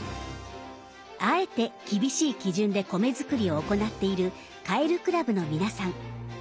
あえて厳しい基準で米作りを行っているカエル倶楽部の皆さん。